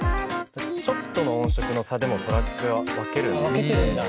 ちょっとの音色の差でもトラックは分けるんで。